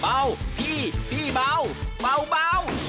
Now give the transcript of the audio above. เบาพี่พี่เบาเบา